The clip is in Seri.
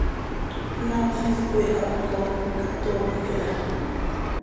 Pnaacöl is coi haptco cahtoopj iha.